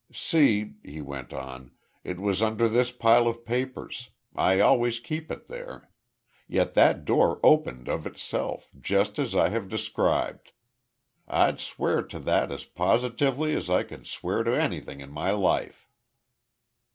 "See," he went on, "it was under this pile of papers. I always keep it there. Yet that door opened of itself, just as I have described. I'd swear to that as positively as I could swear to anything in my life."